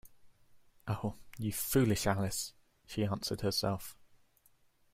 ‘Oh, you foolish Alice!’ she answered herself.